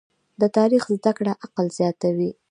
د تاریخ زده کړه عقل زیاتوي.